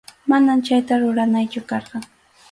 Manam chayta ruranaychu karqan.